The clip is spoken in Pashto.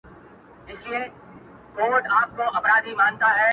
نه زلمي او پېغلي گډ كوي رقصونه -